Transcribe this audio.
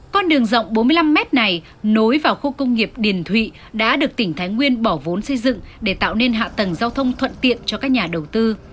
con đường rộng bốn mươi năm mét này nối vào khu công nghiệp điền thụy đã được tỉnh thái nguyên bỏ vốn xây dựng để tạo nên hạ tầng giao thông thuận tiện cho các nhà đầu tư